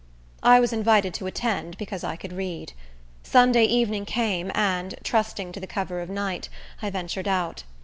I was invited to attend, because I could read. Sunday evening came, and, trusting to the cover of night, I ventured out.